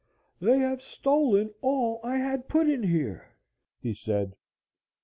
"They have stolen all I had put in here," he said.